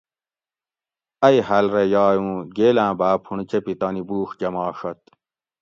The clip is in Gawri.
ائی حاۤل رہ یائی اُوں گیلاۤں باۤ پُھونڑ چپی تانی بُوڛ جماڛت